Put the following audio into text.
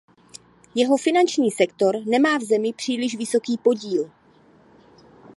Jeho finanční sektor nemá v zemi příliš vysoký podíl.